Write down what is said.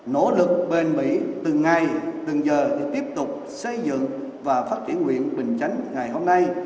nỗ lực bên mỹ từng ngày từng giờ để tiếp tục xây dựng và phát triển huyện bình chánh ngày hôm nay